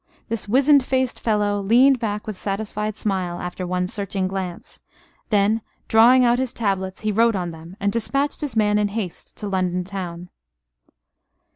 This wizened faced fellow leaned back with satisfied smile, after one searching glance; then, drawing out his tablets, he wrote on them, and despatched his man in haste to London town.